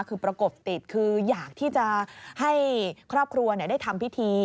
คือประกบติดคืออยากที่จะให้ครอบครัวได้ทำพิธี